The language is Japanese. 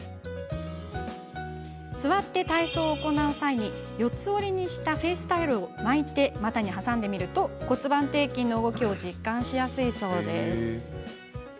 座って体操を行う際に四つ折りにしたフェースタオルを巻いて股に挟んでみると骨盤底筋の動きを実感しやすいそうです。